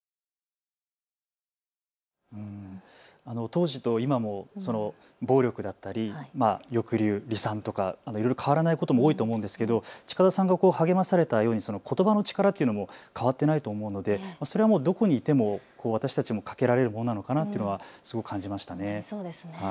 当時と今も暴力だったり抑留、離散とか変わらないことも多いと思うんですけど近田さんが励まされたようにことばの力っていうのも変わってないと思うのでどこにいても私たちもかけられるものなのかなというのはすごく感じましたね。